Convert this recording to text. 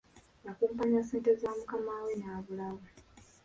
Yakumpanya ssente z'amukamaawe n'abulawo.